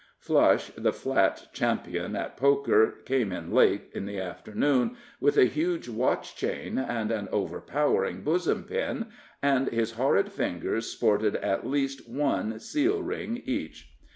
Flush, the Flat champion at poker, came in late in the afternoon, with a huge watch chain, and an overpowering bosom pin, and his horrid fingers sported at least one seal ring each.